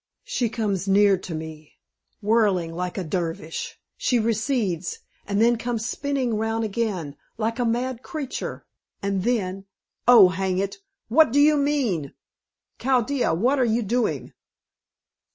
She comes near to me, whirling like a Dervish; she recedes, and then comes spinning round again, like a mad creature. And then oh, hang it! What do you mean? Chaldea, what are you doing?"